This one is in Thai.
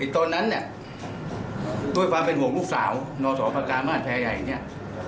ตอนนั้นเนี่ยด้วยความเป็นห่วงลูกสาวนสพกามาศแพรใหญ่เนี่ย